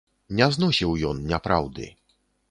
Не зносіў ён няпраўды.